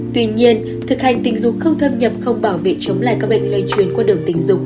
tuy nhiên thực hành tình dục không thâm nhập không bảo vệ chống lại các bệnh lây truyền qua đường tình dục